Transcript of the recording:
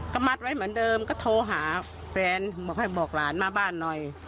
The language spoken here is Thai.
ก็มัดไว้เหมือนเดิมก็โทรหาแฟนบอกให้บอกหลานมาบ้านหน่อย